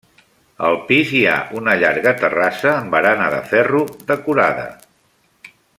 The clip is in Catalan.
Al pis hi ha una llarga terrassa amb barana de ferro decorada.